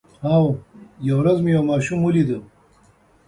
هو، یوه ورځ مې یو ماشوم ولید